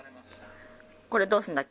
これ、どうすんだっけ？